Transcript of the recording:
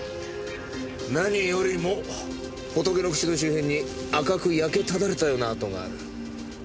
何よりも仏の口の周辺に赤く焼けただれたようなあとがある。